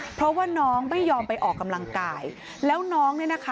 เพราะว่าน้องไม่ยอมไปออกกำลังกายแล้วน้องเนี่ยนะคะ